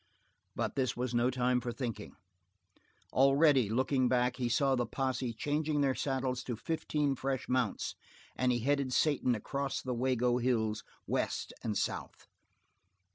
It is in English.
But this was no time for thinking. Already, looking back, he saw the posse changing their saddles to fifteen fresh mounts, and he headed Satan across the Wago Hills, West and South.